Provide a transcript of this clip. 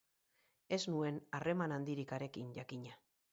Ez nuen harreman handirik harekin, jakina.